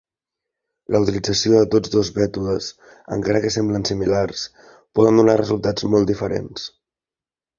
La utilització de tots dos mètodes, encara que semblen similars, poden donar resultats molt diferents.